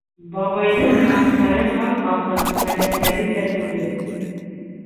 Бабайҙың яңаҡтары һап-һалҡын, ғәҙәттәгесә түгел.